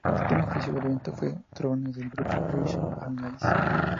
El tema oficial del evento fue ""Drones"" del grupo Rise Against.